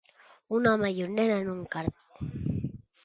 Un home i un nen en un kart.